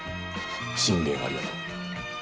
進言ありがとう。